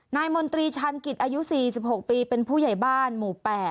มนตรีชาญกิจอายุ๔๖ปีเป็นผู้ใหญ่บ้านหมู่๘